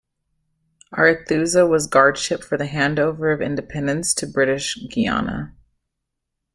"Arethusa" was guard ship for the hand-over of independence to British Guiana.